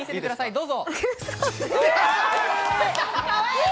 どうぞ！